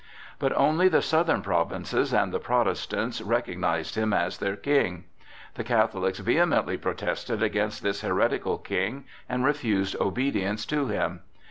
But only the southern provinces and the Protestants recognized him as their king. The Catholics vehemently protested against this heretical king, and refused obedience to him.